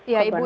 ya ibu irna